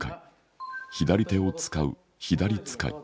左手を遣う左遣い。